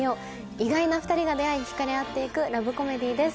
意外な２人が出会い引かれ合って行くラブコメディーです。